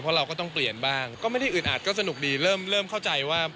เพราะเราก็ต้องเปลี่ยนบ้างก็ไม่ได้อึดอัดก็สนุกดีเริ่มเข้าใจว่า